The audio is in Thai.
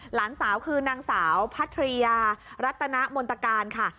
หลานสาวคือนางสาวพัทริยารัตนมนตการค่ะ